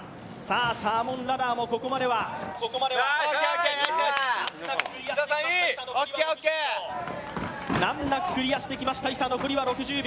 サーモンラダーもここまでは難なくクリアしてきた伊佐、残りは６０秒。